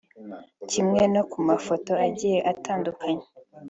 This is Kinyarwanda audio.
Kimwe no ku mafoto agiye atandukanye